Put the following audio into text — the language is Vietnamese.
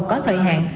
có thời hạn